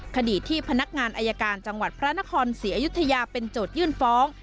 คดีที่พนักงานอายการจังหวัดพระนครศรีอยุธยาเป็นโจทยื่นฟ้อง